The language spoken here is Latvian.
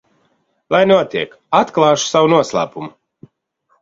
Lai notiek, atklāšu savu noslēpumu.